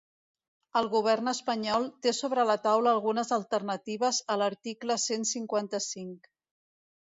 El govern espanyol té sobre la taula algunes alternatives a l’article cent cinquanta-cinc.